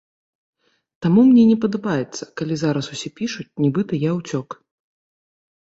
Таму мне не падабаецца, калі зараз усе пішуць, нібыта я ўцёк.